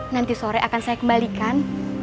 nanti sore akan saya kembalikan